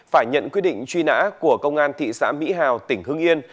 phải nhận quyết định truy nã của công an thị xã mỹ hào tỉnh hưng yên